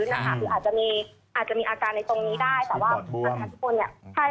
คืออาจจะมีอาจารย์ในตรงนี้ได้